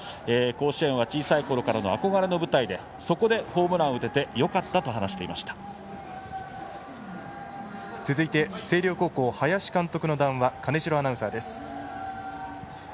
甲子園は小さいころからの憧れの舞台でそこでホームランを打ててよかったと続いて、星稜高校林監督の談話金城アナウンサーです。